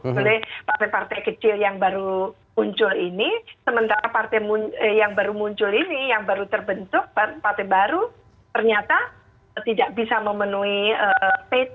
jadi partai partai kecil yang baru muncul ini sementara partai yang baru muncul ini yang baru terbentuk partai baru ternyata tidak bisa memenuhi pt